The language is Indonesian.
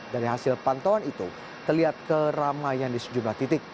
dan hasil pantauan itu terlihat keramaian di sejumlah titik